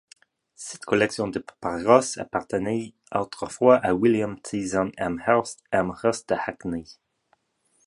Cette collection de papyrus appartenait autrefois à William Tyssen-Amherst, Amherst de Hackney.